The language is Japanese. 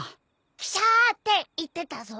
「キシャー」って言ってたぞ。